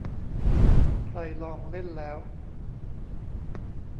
ใครลองเล่นแล้ว